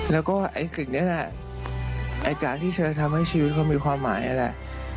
แล้วก็ไอ้สิ่งนี้แหละไอ้การที่จะทำให้ชีวิตเขามีความหมายนั่นแหละ